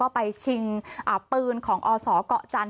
ไปชิงปืนของอศเกาะจันท